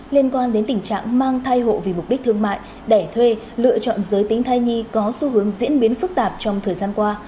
liên quan đến tình trạng mang thai hộ vì mục đích thương mại đẻ thuê lựa chọn giới tính thai nhi có xu hướng diễn biến phức tạp trong thời gian qua